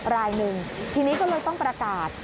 รายหนึ่งทีนี้ก็เลยต้องประกาศ